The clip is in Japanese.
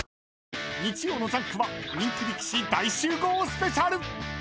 ［日曜の『ジャンク』は人気力士大集合スペシャル］